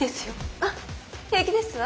あっ平気ですわ。